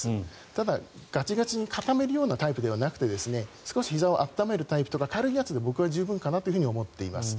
ただ、ガチガチに固めるようなタイプではなくて少しひざを温めるタイプとか軽いやつで僕は十分かなと思っています。